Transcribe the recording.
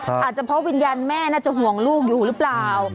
อาจจะเพราะวิญญาณแม่น่าจะห่วงลูกอยู่หรือเปล่า